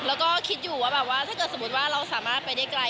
แล้วก็คิดอยู่ว่าแบบว่าถ้าเกิดสมมุติว่าเราสามารถไปได้ไกล